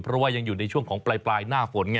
เพราะว่ายังอยู่ในช่วงของปลายหน้าฝนไง